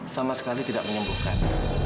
sama sekali tidak menyembuhkan